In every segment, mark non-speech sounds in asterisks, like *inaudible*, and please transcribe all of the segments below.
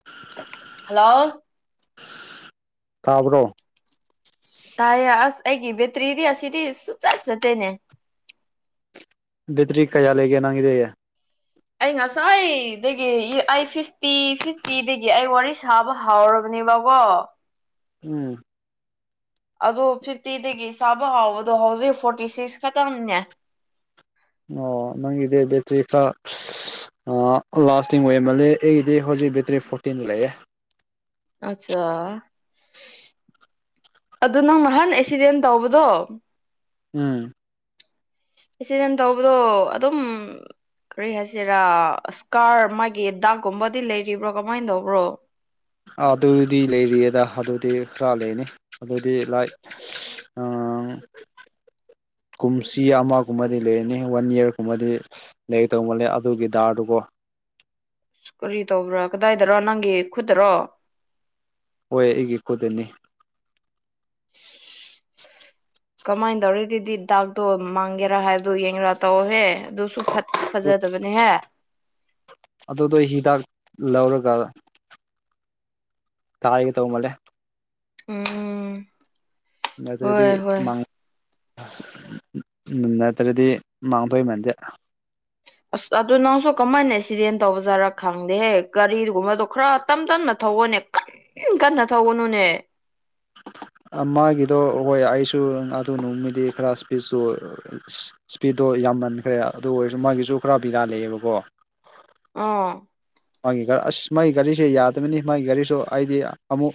*unintelligible* hello ꯇꯥꯕ꯭ꯔꯣ ꯇꯥꯏꯌꯦ ꯑꯁ ꯑꯩꯒꯤ ꯕꯦꯇ꯭ꯔꯤꯗꯤ ꯑꯁꯤꯗꯤ ꯁꯨꯆꯠ ꯆꯠꯇꯦꯅꯦ ꯕꯦꯇ꯭ꯔꯤ ꯀꯥꯏꯌꯥ ꯂꯩꯒꯦ ꯅꯪꯒꯤꯗꯤꯌꯦ ꯑꯩ ꯉꯁꯥꯢꯗꯒꯤꯌꯦ ꯑꯩ ꯐꯤꯐꯇꯤ ꯐꯤꯐꯇꯤꯗꯒꯤ ꯑꯩ ꯋꯥꯔꯤ ꯁꯥꯕ ꯍꯧꯔꯕꯅꯦꯕ ꯀꯣ ꯎꯝ ꯑꯗꯣ ꯐꯤꯐꯇꯤꯗꯒꯤ ꯁꯥꯕ ꯍꯧꯕꯗꯣ ꯍꯧꯖꯤꯛ ꯐꯣꯔꯇꯤ ꯁꯤꯛꯁ ꯈꯛꯇꯪꯅꯦ ꯑꯣ ꯅꯪꯒꯤꯗꯤ ꯕꯦꯇ꯭ꯔꯤ ꯈꯔ ꯑꯣ ꯂꯥꯁꯇꯤꯡ ꯑꯣꯏꯃꯜꯂꯦ ꯑꯩꯒꯤꯗꯤ ꯍꯧꯖꯤꯛ ꯕꯦꯇ꯭ꯔꯤ ꯐꯣꯔꯇꯤꯟ ꯂꯩꯌꯦ ꯑꯠꯆꯥ ꯑꯗꯨ ꯅꯪ ꯅꯍꯥꯟ ꯑꯦꯛꯁꯤꯗꯦꯟ ꯇꯧꯕꯗꯣ ꯎꯝ ꯑꯦꯁꯤꯗꯦꯟ ꯇꯧꯕꯗꯣ ꯑꯗꯨꯝ ꯀꯔꯤ ꯍꯥꯏꯁꯤꯔꯥ ꯏꯁꯀꯥꯔ ꯃꯥꯒꯤ ꯗꯥꯛꯀꯨꯝꯕꯗꯤ ꯂꯩꯔꯤꯕ꯭ꯔꯣ ꯀꯃꯥꯏꯅ ꯇꯧꯕ꯭ꯔꯣ ꯑꯗꯨꯗꯤ ꯂꯩꯔꯤꯌꯦꯗ ꯑꯗꯨꯗꯤ ꯈꯔ ꯂꯩꯅꯤ ꯑꯗꯨꯗꯤ ꯂꯥꯏ *inaudible* ꯀꯨꯝꯁꯤ ꯑꯃꯒꯨꯝꯕꯗꯤ ꯂꯩꯔꯅꯤ ꯋꯥꯟ ꯌꯤꯌꯔꯒꯨꯝꯕꯗꯤ ꯂꯩꯒꯗꯧ ꯃꯜꯂꯦ ꯑꯗꯨꯒꯤ ꯗꯥꯔꯗꯨꯀꯣ ꯀꯔꯤ ꯇꯧꯕ꯭ꯔ ꯀꯗꯥꯏꯗ꯭ꯔꯣ ꯅꯪꯒꯤ ꯈꯨꯠꯇꯔꯣ ꯍꯣꯏ ꯑꯩꯒꯤ ꯈꯨꯠꯇꯅꯦ ꯀꯃꯥꯏ ꯇꯧꯔꯤ ꯑꯗꯨꯗꯤ ꯗꯥꯛ ꯇꯣ ꯃꯥꯡꯒꯦꯔꯥ ꯍꯥꯏꯕꯗꯣ ꯌꯦꯡꯉꯒ ꯇꯧꯑꯣꯍꯦ ꯑꯗꯨꯁꯨ ꯐꯠ ꯐꯖꯗꯕꯅꯦꯍꯦ ꯑꯗꯨꯗꯣ ꯍꯤꯗꯥꯛ ꯂꯧꯔꯒ ꯇꯥꯥꯏꯒꯦ ꯇꯧꯃꯜꯂꯦ ꯎꯝ ꯑꯗꯨꯗꯤ ꯍꯣꯏ ꯍꯣꯏ ꯃꯪ ꯅꯠꯇ꯭ꯔꯗꯤ ꯃꯥꯡꯗꯣꯏ ꯃꯥꯟꯗꯦ ꯑꯁ ꯑꯗꯨ ꯅꯪꯁꯨ ꯀꯃꯥꯏꯅ ꯑꯦꯛꯁꯤꯗꯦꯟ ꯇꯧꯕꯖꯥꯠꯔꯥ ꯈꯪꯗꯦꯍꯦ ꯒꯥꯔꯤꯗꯨꯨꯝꯕꯗꯣ ꯈꯔ ꯇꯝ ꯇꯝꯅ ꯊꯧꯑꯣꯅꯦ ꯀꯟ ꯀꯟꯅ ꯊꯧꯒꯅꯨꯅꯦ ꯃꯥꯒꯤꯗꯣ ꯍꯣꯏ ꯑꯩꯁꯨ ꯑꯗꯨ ꯅꯨꯃꯤꯠꯗꯤ ꯈꯔ ꯁ꯭ꯄꯤꯗꯁꯨ ꯁ꯭ꯄꯤꯗꯇꯣ ꯌꯥꯝꯃꯟꯈ꯭ꯔꯦ ꯑꯗꯨ ꯑꯣꯏꯔꯁꯨ ꯃꯥꯒꯤꯁꯨ ꯈꯔ ꯕꯦꯔꯥ ꯂꯩꯌꯦꯕꯀꯣ ꯑꯣ ꯃꯥꯒꯤ ꯑꯁ ꯃꯥꯒꯤ ꯒꯥꯔꯤꯁꯦ ꯌꯥꯗꯕꯅꯤ ꯃꯥꯒꯤ ꯒꯥꯔꯤꯁꯨ ꯍꯥꯏꯗꯤ ꯑꯃꯨꯛ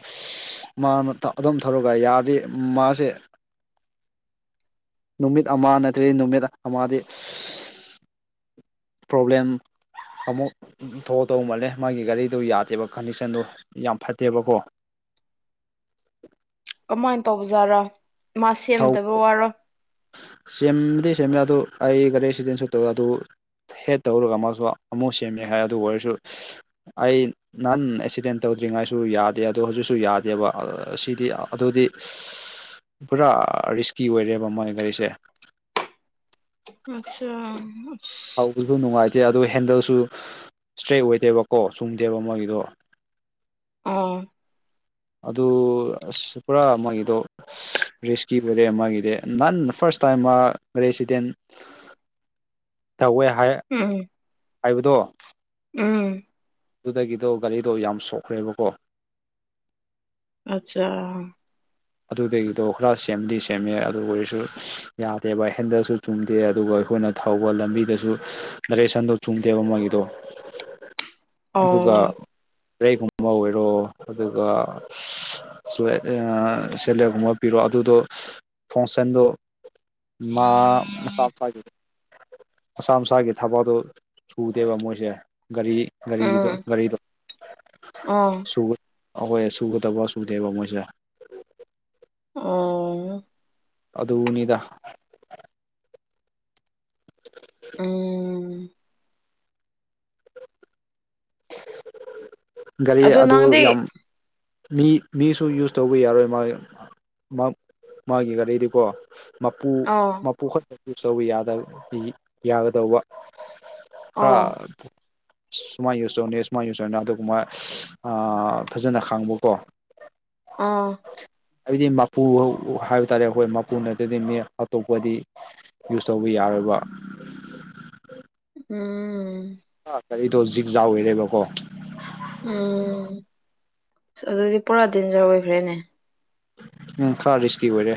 ꯃꯥꯅ ꯑꯗꯨꯝ ꯊꯧꯔꯒ ꯌꯥꯗꯦ ꯃꯥꯁꯦ *inaudible* ꯅꯨꯃꯤꯠ ꯑꯃ ꯅꯠꯇ꯭ꯔꯗꯤ ꯅꯨꯃꯤꯠ ꯑꯃꯗꯤ ꯄ꯭ꯔꯣꯕ꯭ꯂꯦꯝ ꯑꯃꯨꯛ ꯗꯧꯗꯧ ꯃꯥꯜꯂꯦ ꯃꯥꯒꯤ ꯒꯥꯔꯤꯗꯨ ꯌꯥꯗꯦꯕ ꯀꯟꯗꯤꯁꯟꯗꯨ ꯌꯥꯝ ꯐꯠꯇꯦꯕꯀꯣ ꯀꯃꯥꯏꯅ ꯇꯧꯕꯖꯥꯠꯔꯥ ꯃꯥ ꯁꯦꯝꯗꯕ ꯋꯥꯔꯣ ꯁꯦꯝꯗꯤ ꯁꯦꯝꯃꯦ ꯑꯗꯨ ꯑꯩ ꯒꯥꯔꯤ ꯑꯦꯛꯁꯤꯗꯦꯟꯁꯨ ꯇꯧꯋꯦ ꯑꯗꯨ ꯍꯦꯠ ꯇꯧꯔꯒ ꯑꯃꯁꯨ ꯑꯃꯨꯛ ꯁꯦꯝꯃꯦ ꯍꯥꯏ ꯑꯗꯨ ꯑꯣꯏꯔꯁꯨ ꯑꯩ ꯅꯍꯥꯟ ꯑꯦꯛꯁꯤꯗꯦꯟ ꯇꯧꯗ꯭ꯔꯤꯉꯥꯏꯁꯨ ꯌꯥꯗꯦ ꯑꯗꯣ ꯍꯧꯖꯤꯛꯁꯨ ꯌꯥꯗꯦꯕ ꯁꯤꯗꯤ ꯑꯗꯨꯗꯤ *inaudible* ꯄꯨꯔꯥ ꯔꯤꯁꯀꯤ ꯑꯣꯏꯔꯦꯕ ꯃꯥꯏ ꯒꯥꯔꯤꯁꯦ ꯑꯠꯆꯥ ꯊꯧꯕꯁꯨ ꯅꯨꯡꯉꯥꯏꯇꯦ ꯑꯗꯣ ꯍꯦꯟꯗꯜꯁꯨ ꯁꯇ꯭ꯔꯦꯠ ꯑꯣꯏꯗꯦꯕꯀꯣ ꯆꯨꯝꯗꯦꯕ ꯃꯥꯏꯒꯤꯗꯣ ꯑꯥ ꯑꯗꯨ ꯑꯁ ꯄꯨꯔꯥ ꯃꯣꯏꯒꯤꯗꯣ ꯔꯤꯁꯀꯤ ꯑꯣꯏꯔꯦ ꯃꯥꯒꯤꯗꯤ ꯅꯍꯥꯟ ꯐꯥꯁ ꯇꯥꯏꯝ ꯃꯥ ꯘꯥꯔꯤ ꯔꯦꯛꯁꯤꯗꯦꯟ ꯇꯧꯋꯦ ꯍꯥꯏ ꯎꯝ ꯍꯥꯏꯕꯗꯣ ꯎꯝ ꯑꯗꯨꯗꯒꯤꯗꯣ ꯒꯥꯔꯤꯗꯣ ꯌꯥꯝ ꯁꯣꯛꯈ꯭ꯔꯦꯕꯀꯣ ꯑꯠꯆꯥ ꯑꯗꯨꯗꯒꯤꯗꯣ ꯈꯔ ꯁꯦꯝꯗꯤ ꯁꯦꯝꯃꯦ ꯑꯗꯨ ꯑꯣꯏꯔꯁꯨ ꯌꯥꯗꯦꯕ ꯍꯦꯟꯗꯜꯁꯨ ꯆꯨꯝꯗꯦ ꯑꯗꯨꯒ ꯑꯩꯈꯣꯏꯅ ꯊꯧꯕ ꯂꯝꯕꯤꯗꯁꯨ ꯗꯥꯏꯔꯦꯛꯁꯟꯗꯣ ꯆꯨꯝꯗꯦꯕ ꯃꯥꯏꯒꯤꯗꯣ *inaudible* ꯑꯗꯨꯒ ꯕ꯭ꯔꯩꯒꯨꯝꯕ ꯑꯣꯏꯔꯣ ꯑꯗꯨꯒ ꯁꯂꯦ ꯑ ꯁꯦꯂꯦꯞꯒꯨꯝꯕ ꯄꯤꯔꯣ ꯑꯗꯨꯗꯣ ꯐꯣꯡꯁꯟꯗꯣ ꯃꯥ ꯃꯄꯥꯒꯤ ꯃꯁꯥ ꯃꯁꯥꯒꯤ ꯊꯕꯛꯗꯣ ꯁꯨꯗꯦꯕ ꯃꯣꯏꯁꯦ ꯒꯥꯔꯤ ꯒꯥꯔꯤꯒꯤꯗꯣ ꯎꯝ ꯒꯥꯔꯤꯗꯣ ꯑꯣ ꯁꯨ ꯑꯩꯍꯣꯏ ꯁꯨꯒꯗꯧꯕ ꯁꯨꯗꯦꯕ ꯃꯣꯏꯁꯦ ꯑꯣ ꯑꯗꯨꯅꯤꯗ ꯎꯝ ꯒꯥꯔꯤ ꯑꯗꯣ ꯑꯗꯨ ꯅꯪꯗꯤ ꯌꯥꯝ ꯃꯤ ꯃꯤꯁꯨ ꯌꯨꯁ ꯇꯧꯕ ꯌꯥꯔꯣꯏ ꯃꯥꯒꯤ ꯃꯥꯒꯤ ꯒꯥꯔꯤꯗꯤꯀꯣ ꯃꯄꯨ ꯑ ꯃꯄꯨ ꯈꯛꯇ ꯌꯨꯁ ꯇꯧꯕ ꯌꯥꯒꯗꯧꯕ ꯈꯔꯥ ꯑꯣ ꯁꯨꯃꯥꯏꯅ ꯌꯨꯁ ꯇꯧꯅꯤ ꯁꯨꯃꯥꯏꯅ ꯌꯨꯁ ꯇꯧꯅꯤ ꯑꯗꯨꯃꯥꯏ ꯑ ꯐꯖꯅ ꯈꯪꯕ ꯀꯣ ꯑꯣ ꯍꯥꯏꯕꯗꯤ ꯃꯄꯨ ꯍꯥꯏꯕ ꯇꯥꯔꯦ ꯑꯩꯈꯣꯏ ꯃꯄꯨ ꯅꯠꯇꯗꯤ ꯃꯤ ꯑꯇꯣꯞꯄꯗꯤ ꯌꯨꯁ ꯇꯧꯕ ꯌꯥꯔꯣꯏꯕ ꯎꯝ ꯑ ꯀꯔꯤꯗꯣ ꯖꯤꯛ ꯌꯥꯎꯔꯦꯕꯀꯣ ꯎꯝ ꯑꯁ ꯑꯗꯨꯗꯤ ꯄꯨꯔꯥ ꯗꯦꯟꯖꯔ ꯑꯣꯏꯈ꯭ꯔꯦꯅꯦ ꯎꯝ ꯈꯔ ꯔꯤꯁꯀꯤ ꯑꯣꯏꯔꯦ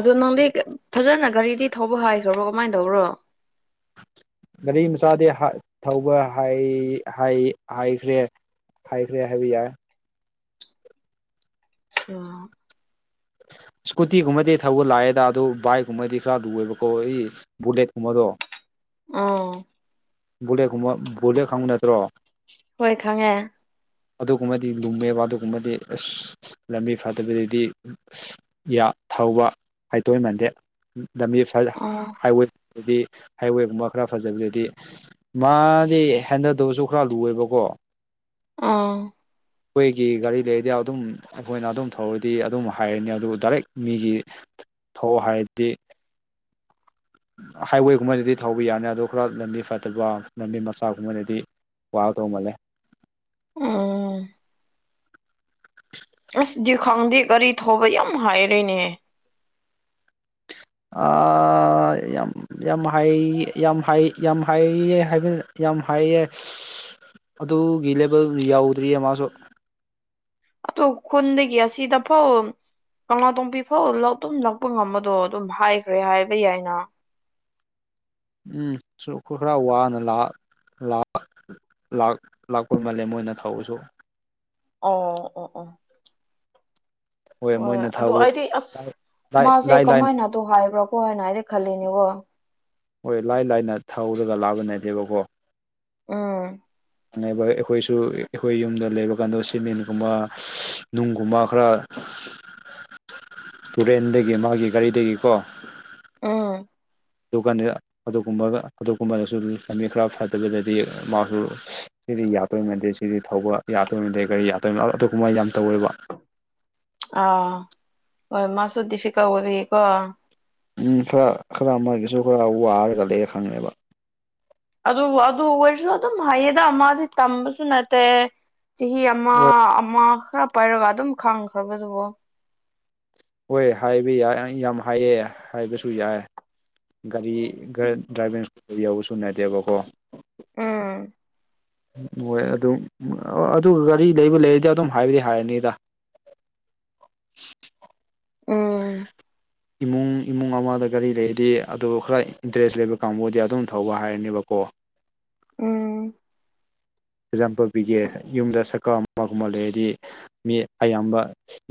ꯑꯗꯣ ꯅꯪꯗꯤ ꯐꯖꯅ ꯒꯥꯔꯤꯗꯤ ꯊꯧꯕ ꯍꯩꯈ꯭ꯔꯕꯣ ꯀꯃꯥꯏꯅ ꯇꯧꯕ꯭ꯔꯣ ꯒꯥꯔꯤ ꯃꯆꯥꯗꯤ ꯊꯧꯕ ꯍꯩ ꯍꯩ ꯍꯩꯈ꯭ꯔꯦ ꯍꯩꯈ꯭ꯔꯦ ꯍꯥꯏꯕ ꯌꯥꯏ ꯑꯣ ꯏꯁꯀꯨꯇꯤꯒꯨꯝꯕꯗꯤ ꯊꯧꯕ ꯂꯥꯏꯑꯦꯗ ꯑꯗꯨ ꯕꯥꯏꯛꯀꯨꯝꯕꯗꯤ ꯈꯔ ꯂꯨꯑꯦꯕꯀꯣ ꯑꯩ ꯕꯨ ꯂꯦꯠ ꯀꯨꯝꯕꯗꯣ ꯑꯣ ꯕꯨꯂꯦꯠ ꯀꯨꯝꯕ ꯕꯨꯂꯦꯠ ꯈꯪꯕ ꯅꯠꯇ꯭ꯔꯣ ꯍꯣꯏ ꯈꯪꯉꯦ ꯑꯗꯨꯒꯨꯝꯕꯗꯤ ꯂꯨꯝꯃꯦꯕ ꯑꯗꯨꯒꯨꯝꯕꯗꯤ ꯑꯁ ꯂꯝꯕꯤ ꯐꯠꯇꯕꯤꯗꯗꯤ ꯌꯥ ꯊꯧꯕ ꯍꯩꯇꯣꯏꯃꯟꯗꯦ ꯂꯝꯕꯤ ꯑꯥ ꯍꯥꯏꯋꯦꯗꯤ ꯍꯥꯏꯋꯦꯒꯨꯝꯕ ꯈꯔ ꯐꯖꯕꯗꯗꯤ ꯃꯥꯗꯤ ꯍꯦꯟꯗꯜ ꯇꯧꯕꯁꯨ ꯈꯔ ꯂꯨꯑꯦꯕꯀꯣ ꯑꯥ ꯑꯩꯈꯣꯏꯒꯤ ꯒꯥꯔꯤ ꯂꯩꯔꯗꯤ ꯑꯗꯨꯝ ꯑꯩꯈꯣꯏꯅ ꯑꯗꯨꯝ ꯊꯧꯔꯗꯤ ꯑꯗꯨꯝ ꯍꯥꯏꯔꯅꯤ ꯑꯗꯨꯕꯨ ꯗꯥꯏꯔꯦꯛ ꯃꯤꯒꯤ ꯊꯧꯍꯥꯏꯔꯗꯤ ꯍꯥꯏꯋꯦꯒꯨꯝꯕꯅꯗꯤ ꯊꯧꯕ ꯌꯥꯅꯤ ꯑꯗꯨ ꯈꯔ ꯂꯝꯕꯤ ꯐꯠꯇꯕ ꯂꯝꯕꯤ ꯃꯆꯥꯒꯨꯝꯕꯗꯗꯤ ꯋꯥꯥ ꯗꯧ ꯃꯜꯂꯦ ꯎꯝ *inaudible* ꯑꯁ ꯗꯤ ꯈꯪꯗꯤ ꯒꯥꯔꯤ ꯊꯧꯔꯣ ꯌꯥꯝ ꯍꯥꯏꯔꯦꯅꯦ ꯑꯥ ꯌꯥꯝ ꯌꯥꯝ ꯍꯥꯏ ꯌꯥꯝ ꯍꯥꯏ ꯌꯥꯝ ꯍꯥꯏꯌꯦ ꯍꯥꯏꯕ ꯌꯥꯝ ꯍꯥꯏꯌꯦ *unintelligible* *unintelligible* ꯑꯗꯨꯒꯤ ꯂꯦꯕꯜꯗꯨ ꯌꯧꯗ꯭ꯔꯤꯌꯦ ꯃꯥꯁꯨ ꯑꯗꯨ ꯈꯨꯟꯗꯒꯤ ꯑꯁꯤꯗ ꯐꯥꯎ ꯀꯪꯂꯥꯇꯣꯝꯕꯤ ꯐꯥꯎ ꯑꯗꯨꯝ *unintelligible* ꯂꯥꯛꯄ ꯉꯝꯃꯗꯣ ꯑꯗꯨꯝ ꯍꯥꯏꯈ꯭ꯔꯦ ꯍꯥꯏꯕ ꯌꯥꯏꯅ ꯎꯝ *unintelligible* ꯈꯔ ꯋꯥꯅ ꯂꯥ ꯂꯥꯛ ꯂꯥꯛ ꯂꯥꯛꯄ ꯃꯥꯜꯂꯦ ꯃꯣꯏꯅ ꯊꯧꯕꯁꯨ ꯑꯣ ꯑꯣ ꯑꯣ ꯍꯣꯏ ꯃꯣꯏꯅ ꯑꯗꯣ ꯊꯧꯕꯗꯣ ꯑꯩꯗꯤ ꯑꯁ ꯂꯥꯏ ꯃꯥꯁꯦ ꯂꯥꯏ ꯂꯥꯏꯅ ꯀꯃꯥꯏꯅꯗꯣ ꯍꯥꯏꯕ꯭ꯔꯥꯀꯣ ꯍꯥꯏꯅ ꯑꯩꯗꯤ ꯈꯜꯂꯦꯅꯦ ꯀꯣ ꯍꯣꯏ ꯂꯥꯏ ꯂꯥꯏꯅ ꯊꯧꯔꯒ ꯂꯥꯛꯕ ꯅꯇꯦꯕꯀꯣ ꯑꯪ *unintelligible* ꯑꯩꯈꯣꯏꯁꯨ ꯑꯩꯈꯣꯏ ꯌꯨꯝꯗ ꯂꯩꯕ ꯀꯥꯟꯗꯣ ꯁꯤꯃꯦꯟꯒꯨꯝꯕ ꯅꯨꯡꯒꯨꯝꯕ ꯈꯔ ꯇꯨꯔꯦꯟꯗꯒꯤ ꯃꯥꯒꯤ ꯒꯥꯔꯤꯗꯒꯤ ꯀꯣ ꯎꯝ ꯑꯗꯨꯒꯥ ꯑꯗꯨꯒꯨꯝꯕ ꯑꯗꯨꯒꯨꯝꯕꯗꯁꯨ ꯂꯝꯕꯤ ꯈ꯭ꯔ ꯐꯠꯇꯕꯗꯗꯤ ꯃꯥꯁꯨ ꯁꯤꯗꯤ ꯌꯥꯗꯣꯏ ꯃꯥꯟꯗꯦ ꯁꯤꯗꯤ ꯊꯧꯕ ꯌꯥꯗꯣꯏ ꯃꯗꯦ ꯒꯔꯤ ꯌꯥꯗꯣꯏ ꯑꯗꯨꯒꯨꯝꯕ ꯌꯥꯝ ꯇꯧꯋꯦꯕ ꯑꯥ ꯍꯣꯏ ꯃꯥꯁꯨ ꯗꯤꯐꯤꯀꯜ ꯑꯣꯏꯕꯒꯤꯀꯣ ꯎꯝ ꯈ꯭ꯔ ꯈꯔ ꯃꯣꯏꯒꯤꯁꯨ ꯈꯔ ꯋꯥꯔꯒ ꯂꯩꯔꯦ ꯈꯪꯉꯦꯕ ꯑꯗꯨꯕꯨ ꯑꯗꯨ ꯑꯣꯏꯔꯁꯨ ꯑꯗꯨꯝ ꯍꯩꯌꯦꯗ ꯃꯥꯗꯤ ꯇꯝꯕꯁꯨ ꯅꯠꯇꯦ ꯆꯍꯤ ꯑꯃ ꯍꯣꯏ ꯑꯃ ꯈ꯭ꯔ ꯄꯥꯏꯔꯒ ꯑꯗꯨꯝ ꯈꯪꯈ꯭ꯔꯕꯗꯨꯕꯣ ꯍꯣꯏ ꯍꯥꯏꯕ ꯌꯥꯝ ꯌꯥꯝ ꯍꯥꯏꯑꯦ ꯍꯥꯏꯕꯁꯨ ꯌꯥꯏ ꯒꯥꯔꯤ ꯎꯝ ꯗ꯭ꯔꯥꯏꯚꯤꯡ ꯁ꯭ꯀꯨꯜ ꯌꯧꯕꯁꯨ ꯅꯠꯇꯦꯕ ꯀꯣ ꯎꯝ ꯃꯣꯏ ꯑꯗꯨꯝ ꯑꯗꯨꯒ ꯒꯥꯔꯤ ꯂꯩꯕ ꯂꯩꯔꯗꯤ ꯑꯗꯨꯝ ꯍꯥꯏꯕꯗꯤ ꯍꯥꯏꯔꯅꯤꯗ *inaudible* ꯎꯝ *unintelligible* ꯏꯃꯨꯡ ꯏꯃꯨꯡ ꯑꯃꯥꯗ ꯒꯥꯔꯤ ꯂꯩꯔꯗꯤ ꯑꯗꯨ ꯈꯔ ꯏꯟꯇꯔꯦꯁ ꯂꯩꯕ ꯀꯥꯡꯕꯨꯗꯤ ꯑꯗꯨꯝ ꯊꯧꯕ ꯍꯥꯏꯔꯅꯦꯕ ꯀꯣ ꯎꯝ ꯑꯦꯛꯖꯥꯝꯄꯜ ꯄꯤꯒꯦ ꯌꯨꯝꯗ ꯁꯥꯏꯀꯜ ꯑꯃꯒꯨꯝꯕ ꯂꯩꯔꯗꯤ ꯃꯤ ꯑꯌꯥꯝꯕ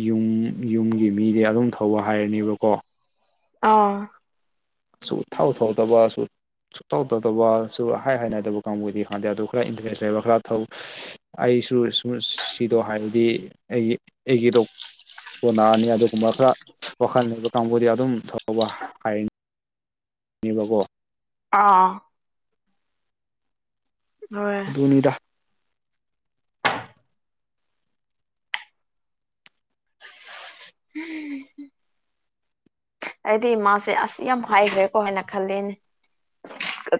ꯌꯨꯝ ꯌꯨꯝꯒꯤ ꯃꯤꯗꯤ ꯑꯗꯨꯝ ꯊꯧꯕ ꯍꯥꯏꯔꯅꯤꯕꯀꯣ ꯑꯪ ꯁꯨꯛꯊꯧ ꯊꯥꯎꯗꯕꯁꯨ ꯁꯨꯛꯇꯧ ꯇꯧꯗꯕ ꯁꯨ ꯍꯥꯏ ꯍꯥꯏꯅꯗꯕ ꯀꯥꯡꯕꯨꯗꯤ ꯍꯥꯟꯗꯦ ꯑꯗꯨ ꯈꯔ ꯏꯟꯇꯔꯦꯁ ꯂꯩꯕ ꯈ꯭ꯔ ꯊꯧ ꯑꯩꯁꯨ *unintelligible* ꯁꯤꯗꯣ ꯍꯥꯏꯔꯗꯤ ꯑꯩꯒꯤ ꯑꯩꯒꯤꯗꯣ ꯀꯣꯅꯥꯗꯤ ꯑꯗꯨꯒꯨꯝꯕ ꯈ꯭ꯔ ꯋꯥꯈꯟ ꯂꯩꯕ ꯀꯥꯡꯕꯨꯗꯤ ꯑꯗꯨꯝ ꯊꯧꯕ ꯒꯤꯕꯀꯣ ꯑꯥ ꯍꯣꯏ ꯗꯨꯅꯤꯗ *unintelligible* ꯑꯩꯗꯤ ꯃꯥꯁꯦ ꯑꯁ ꯌꯥꯝ ꯍꯥꯏꯒ꯭ꯔꯦꯀꯣ ꯍꯥꯏꯅ ꯈꯜꯂꯦꯅꯦ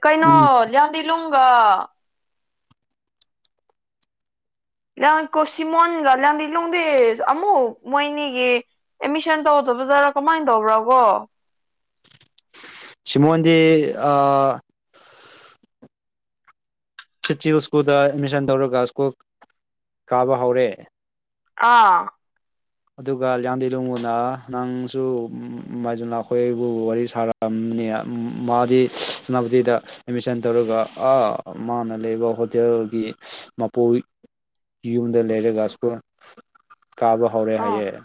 ꯀꯩꯅꯣ ꯎꯝ ꯌꯥꯝꯗꯤꯂꯨꯡꯒ *unintelligible* ꯀꯣꯁꯤꯃꯣꯟꯒ *unintelligible* ꯑꯃꯨꯛ ꯃꯣꯏꯅꯤꯒꯤ ꯑꯦꯠꯃꯤꯁꯟ ꯇꯧꯗꯕꯖꯥꯔꯥ ꯀꯃꯥꯏꯟ ꯇꯧꯕ꯭ꯔꯥ ꯀꯣ ꯁꯤꯃꯣꯟꯗꯤ ꯑꯥ *unintelligible* ꯁ꯭ꯀꯨꯜꯗ ꯑꯦꯠꯃꯤꯁꯟ ꯇꯧꯔꯒ ꯁ꯭ꯀꯨꯜ ꯀꯥꯕ ꯍꯧꯔꯦ ꯑꯥ *unintelligible* *unintelligible* ꯑꯦꯠꯃꯤꯁꯟ ꯇꯧꯔꯒ ꯑꯥ ꯃꯥꯅ ꯂꯩꯕ ꯍꯣꯇꯦꯜꯒꯤ ꯃꯄꯨꯏ ꯌꯨꯝꯗ ꯂꯩꯔꯒ ꯁ꯭ꯀꯨꯟ ꯀꯥꯕ ꯍꯧꯔꯦ ꯑꯥ ꯍꯥꯏꯌꯦ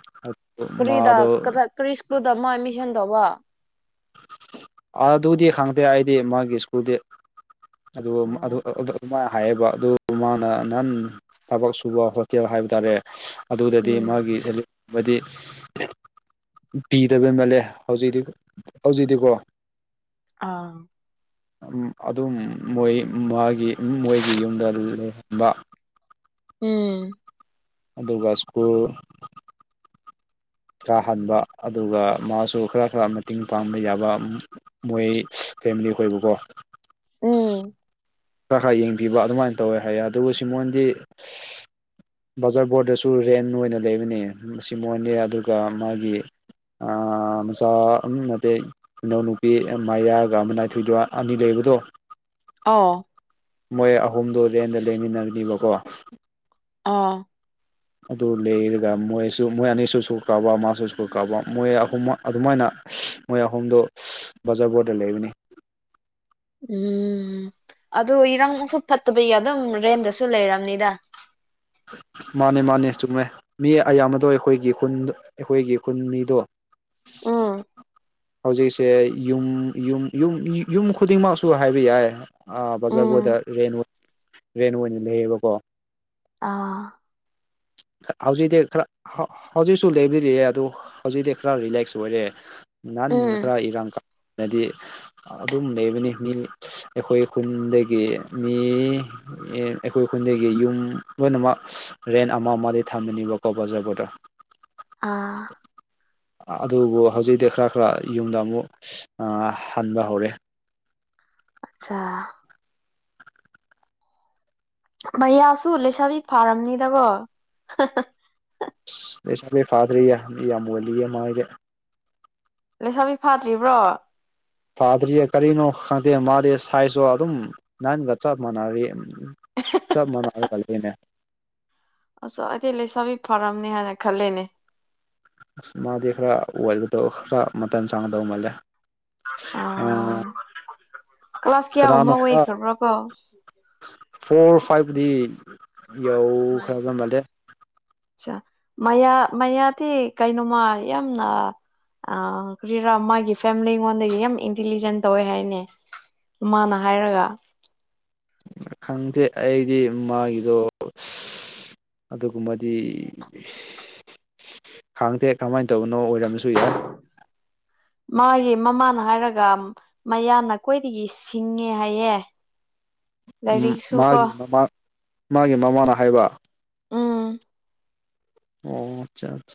ꯀꯔꯤꯗ ꯃꯥꯗꯣ ꯀꯗꯥ ꯀꯔꯤ ꯁ꯭ꯀꯨꯜꯗ ꯃꯥ ꯑꯦꯠꯃꯤꯁꯟ ꯇꯧꯕ ꯑꯗꯨꯗꯤ ꯈꯪꯗꯦ ꯑꯩꯗꯤ ꯃꯥꯒꯤ ꯁ꯭ꯀꯨꯜꯗꯤ ꯑꯗꯨ ꯎꯝ ꯑꯗꯨꯃꯥꯏ ꯍꯥꯏꯌꯦꯕ ꯑꯗꯨ ꯃꯥꯅ ꯅꯍꯟ ꯊꯕꯛ ꯁꯨꯕ ꯍꯣꯇꯦꯜ ꯍꯥꯏꯕ ꯇꯥꯔꯦ ꯑꯗꯨꯗꯗꯤ ꯃꯥꯒꯤ ꯄꯤꯗꯕ ꯃꯥꯂꯦ ꯍꯧꯖꯤꯛꯇꯤ ꯍꯧꯖꯤꯛꯗꯤꯀꯣ ꯑꯥ ꯑꯗꯨꯝ ꯃꯣꯏ ꯃꯥꯒꯤ ꯃꯣꯏꯒꯤ ꯌꯨꯝꯗ ꯂꯩꯍꯟꯕ ꯎꯝ ꯑꯗꯨꯒ ꯁ꯭ꯀꯨꯜ ꯀꯥꯍꯟꯕ ꯑꯗꯨꯒ ꯃꯥꯁꯨ ꯈꯔ ꯈꯔ ꯃꯇꯤꯡ ꯄꯥꯡꯕ ꯌꯥꯕ ꯃꯣꯏ ꯐꯦꯃꯤꯂꯤ ꯈꯣꯏꯕꯨꯀꯣ ꯎꯝ ꯈꯔ ꯈꯔ ꯌꯦꯡꯕꯤꯕ ꯑꯗꯨꯃꯥꯏꯟ ꯇꯧꯋꯦ ꯍꯥꯏꯌꯦ ꯑꯗꯨꯕꯨ ꯁꯤꯃꯣꯟꯗꯤ ꯕꯖꯥꯔ ꯕꯣꯠꯗꯁꯨ ꯔꯦꯟ ꯑꯣꯏꯅ ꯂꯩꯕꯅꯦ ꯁꯤꯃꯣꯟꯗꯤ ꯑꯗꯨꯒ ꯃꯥꯒꯤ ꯑꯥ ꯃꯆꯥ ꯎꯝ ꯅꯠꯇꯦ ꯃꯅꯥꯎ ꯅꯨꯄꯤ ꯃꯔꯤꯌꯥꯒꯥ ꯃꯅꯥꯊꯨꯏꯗꯣ ꯑꯅꯤ ꯂꯩꯕꯗꯣ ꯑꯥꯎ ꯃꯣꯏ ꯑꯍꯨꯝꯗꯣ ꯔꯦꯟꯗ ꯂꯩꯃꯤꯟꯅꯕꯅꯤꯕꯀꯣ ꯑꯣ ꯑꯗꯨ ꯂꯩꯔꯒ ꯃꯣꯏꯁꯨ ꯃꯣꯏ ꯑꯅꯤꯁꯨ ꯁꯨꯈ꯭ꯔꯕ ꯃꯥꯁꯨ ꯁꯨꯈ꯭ꯔꯕ ꯃꯣꯏ ꯑꯍꯨꯝꯃꯛ ꯑꯗꯨꯃꯥꯏꯅ ꯃꯣꯏ ꯑꯍꯨꯝꯗꯣ ꯕꯖꯥꯔ ꯕꯣꯔꯗ ꯂꯩꯕꯅꯦ ꯎꯝ ꯑꯗꯨ ꯏꯔꯥꯡꯁꯨ ꯐꯠꯇꯕꯩ ꯑꯗꯨꯝ ꯔꯦꯟꯗꯁꯨ ꯂꯩꯔꯝꯅꯤꯗ ꯃꯥꯅꯦ ꯃꯥꯅꯦ ꯆꯨꯝꯃꯦ ꯃꯤ ꯑꯌꯥꯝꯕꯗꯣ ꯑꯩꯈꯣꯏꯒꯤ ꯈꯨꯟ ꯑꯩꯈꯣꯏꯒꯤ ꯈꯨꯟ ꯃꯤꯗꯣ ꯎꯝ ꯍꯧꯖꯤꯛ ꯁꯦ ꯌꯨꯝ ꯌꯨꯝ ꯌꯨꯝ ꯌꯨꯝ ꯈꯨꯗꯤꯡꯃꯛꯁꯨ ꯍꯥꯏꯕ ꯌꯥꯏ ꯑꯥ ꯕꯖꯥꯔ ꯎꯝ ꯕꯣꯔꯠꯇ ꯔꯦꯟ ꯔꯦꯟ ꯑꯣꯏꯅ ꯂꯩꯌꯦꯕꯀꯣ ꯑꯥ ꯍꯧꯖꯤꯛꯇꯤ ꯈꯔ ꯍꯧꯖꯤꯛꯁꯨ ꯂꯩꯕꯤꯔꯤꯌꯦ ꯑꯗꯨ ꯍꯧꯖꯤꯛꯇꯤ ꯈꯔ ꯔꯤꯂꯦꯛꯁ ꯑꯣꯏꯔꯦ ꯅꯍꯥꯟ ꯎꯝ ꯈꯔ ꯏꯔꯥꯡ ꯑꯗꯨꯝ ꯂꯩꯕꯅꯦ ꯃꯤ ꯑꯩꯈꯣꯏ ꯈꯨꯟꯗꯒꯤ ꯃꯤ ꯑꯩꯈꯣꯏ ꯈꯨꯟꯗꯒꯤ ꯌꯨꯝ ꯂꯣꯏꯅꯃꯛ ꯔꯦꯟ ꯑꯃ ꯑꯃꯗꯤ ꯊꯝꯃꯤꯅꯤꯕꯀꯣ ꯕꯖꯥꯔ ꯕꯣꯔꯗꯔ ꯑꯥ ꯑꯗꯨꯕꯨ ꯍꯧꯖꯤꯛꯇꯤ ꯈꯔ ꯈꯔ ꯌꯨꯝꯗ ꯑꯃꯨꯛ ꯑꯥ ꯍꯟꯕ ꯍꯧꯔꯦ ꯑꯆꯥ ꯃꯌꯥꯁꯨ ꯂꯩꯁꯥꯕꯤ ꯐꯥꯔꯝꯅꯤꯗꯀꯣ ꯂꯩꯁꯥꯕꯤ ꯐꯥꯗ꯭ꯔꯤꯌꯦ ꯃꯤ ꯌꯥꯝ ꯑꯣꯟꯂꯤꯌꯦ ꯃꯣꯌꯗꯤ ꯂꯩꯁꯥꯕꯤ ꯐꯥꯗ꯭ꯔꯤꯕ꯭ꯔꯣ ꯐꯥꯗ꯭ꯔꯤꯌꯦ ꯀꯔꯤꯅꯣ ꯈꯪꯗꯦ ꯃꯥꯗꯤ ꯁꯥꯏꯁꯁꯨ ꯑꯗꯨꯝ ꯅꯍꯟꯒ ꯆꯞ ꯃꯥꯟꯅꯔꯤ ꯆꯞ ꯃꯅꯥꯔꯒꯥ ꯂꯩꯌꯦꯅꯦ ꯑꯁ ꯑꯩꯗꯤ ꯂꯩꯁꯥꯕꯤ ꯐꯔꯝꯅꯤ ꯍꯥꯏꯅ ꯈꯜꯂꯦꯅꯦ ꯑꯁ ꯃꯥꯗꯤ ꯈꯔ ꯑꯣꯏꯕꯗꯣ ꯈꯔ ꯃꯇꯝ ꯆꯥꯡꯒꯗꯧ ꯃꯥꯜꯂꯦ ꯑ ꯀ꯭ꯂꯥꯁ ꯀꯤꯌꯥꯒꯨꯝꯕ ꯀꯅꯥꯅꯣ ꯑꯣꯏꯈꯔꯕ꯭ꯔꯀꯣ ꯐꯣꯔ ꯐꯥꯏꯚꯗꯤ ꯌꯧꯈ꯭ꯔꯕ ꯃꯥꯜꯂꯦ ꯑꯆꯥ ꯃꯌꯥ ꯃꯌꯥꯗꯤ ꯀꯩꯅꯣꯝꯃ ꯌꯥꯝꯅ ꯑꯥ ꯀ꯭ꯔꯤꯔꯥ ꯃꯥꯒꯤ ꯐꯦꯃꯤꯂꯤ ꯉꯣꯟꯗꯒꯤ ꯌꯥꯝ ꯏꯟꯇꯤꯂꯤꯖꯦꯟ ꯇꯧꯋꯦ ꯍꯥꯏꯌꯦꯅꯦ ꯃꯥꯃꯥꯅ ꯍꯥꯏꯔꯒ ꯈꯪꯗꯦ ꯑꯩꯗꯤ ꯃꯥꯒꯤꯗꯣ ꯑꯗꯨꯒꯨꯝꯕꯗꯤ *inaudible* ꯈꯪꯗꯦ ꯀꯃꯥꯏꯅ ꯇꯧꯕꯅꯣ ꯑꯣꯏꯔꯝꯕꯁꯨ ꯌꯥꯏ ꯃꯥꯒꯤ ꯃꯃꯥꯅ ꯍꯥꯏꯔꯒ ꯃꯌꯥꯅ ꯀꯣꯏꯗꯒꯤ ꯁꯤꯡꯉꯦ ꯍꯥꯏꯌꯦ ꯎꯝ ꯂꯥꯏꯔꯤꯛꯁꯨ ꯀꯣ ꯃꯥꯒꯤ ꯃꯃꯥ ꯃꯥꯒꯤ ꯃꯃꯥꯅ ꯍꯥꯏꯕ ꯎꯝ ꯑꯣ ꯑꯠꯆꯥ ꯑꯆꯥ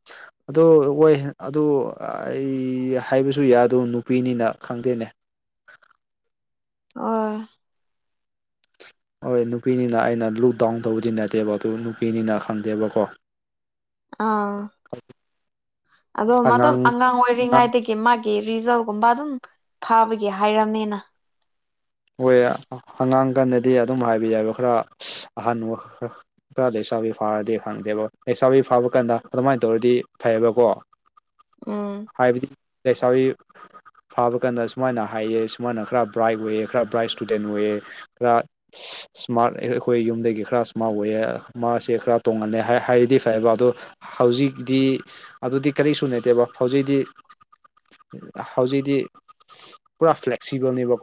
*inaudible* ꯑꯗꯣ ꯑꯣꯏꯍꯟ ꯑꯗꯣ ꯑꯩ ꯍꯥꯏꯕꯁꯨ ꯌꯥꯗꯕ ꯅꯨꯄꯤꯅꯤꯅ ꯈꯪꯗꯦꯅꯦ ꯑꯣꯏ ꯍꯣꯏ ꯅꯨꯄꯤꯅꯤꯅ ꯑꯩꯅ ꯂꯨꯛꯗꯥꯎꯟ ꯇꯧꯕꯗꯤ ꯅꯠꯇꯦꯕ ꯑꯗꯨ ꯅꯨꯄꯤꯅꯤꯅ ꯈꯪꯗꯦꯕꯀꯣ ꯑꯥ ꯑꯗꯣ ꯃꯗꯣ ꯑꯉꯥꯡ ꯑꯣꯏꯔꯤꯉꯩꯗꯒꯤ ꯃꯥꯒꯤ ꯔꯤꯖꯜꯒꯨꯝꯕ ꯑꯗꯨꯝ ꯐꯥꯕꯒꯤ ꯍꯥꯏꯔꯝꯅꯤꯅ ꯍꯣꯏ ꯑꯉꯥꯡ ꯀꯥꯟꯗꯗꯤ ꯑꯗꯨꯝ ꯍꯥꯏꯕ ꯌꯥꯏꯕ ꯈꯔ ꯑꯍꯟ ꯋꯈ ꯈꯔꯗ ꯂꯩꯁꯥꯕꯤ ꯐꯥꯔꯗꯤ ꯈꯪꯗꯦꯕ ꯂꯩꯁꯥꯕꯤ ꯐꯥꯕ ꯀꯥꯟꯗ ꯑꯗꯨꯃꯥꯏꯅ ꯇꯧꯔꯗꯤ ꯐꯩꯌꯦꯕꯀꯣ ꯎꯝ ꯍꯥꯏꯕꯗꯤ ꯂꯩꯁꯥꯕꯤ ꯐꯥꯕ ꯀꯥꯟꯗ ꯁꯨꯃꯥꯏꯅ ꯍꯥꯏꯌꯦ ꯁꯨꯃꯥꯏꯅ ꯈꯔ ꯕ꯭ꯔꯥꯏꯠ ꯑꯣꯏꯌꯦ ꯈꯔ ꯕ꯭ꯔꯥꯏꯠ ꯏꯁꯇꯨꯗꯦꯟ ꯑꯣꯏꯌꯦ ꯈꯔ ꯏꯁꯃꯥꯔꯠ ꯑꯩꯈꯣꯏ ꯌꯨꯝꯗꯒꯤ ꯈꯔ ꯏꯁꯃꯥꯔꯠ ꯑꯣꯏꯌꯦ ꯃꯥꯁꯦ ꯈꯔ ꯇꯣꯡꯍꯜꯂꯦ ꯍꯥꯏꯔꯗꯤ ꯐꯩꯌꯦꯕ ꯑꯗꯣ ꯍꯧꯖꯤꯛꯀꯤꯗꯤ ꯑꯗꯨꯗꯤ ꯀꯔꯤꯁꯨ ꯂꯩꯇꯦꯕ ꯍꯧꯖꯤꯛꯗꯤ ꯍꯧꯖꯤꯛꯇꯤ ꯄꯨꯔꯥ ꯐ꯭ꯂꯦꯛꯁꯤꯕꯜ ꯅꯦꯕꯀꯣ